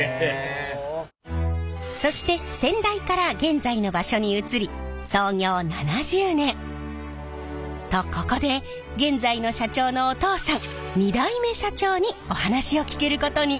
そして先代から現在の場所に移り創業７０年。とここで現在の社長のお父さん２代目社長にお話を聞けることに。